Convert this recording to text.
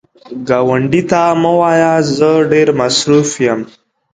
ګاونډي ته مه وایه “زه ډېر مصروف یم”